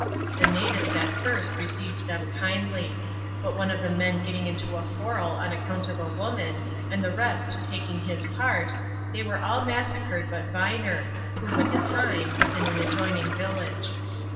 The natives, at flrst, received them kindly ; but one of the men getting into ar quarrel on recount of a woman, and the rest taking his part, tl^ were, all massacred but Yiner, who, at the time, was in an adjoining village.